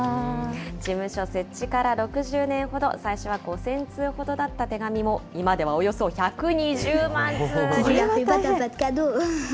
事務所設置から６０年ほど、最初は５０００通ほどだった手紙も、今ではおよそ１２０万通に。